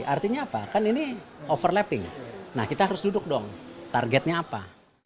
artinya apa kan ini overlapping nah kita harus duduk dong targetnya apa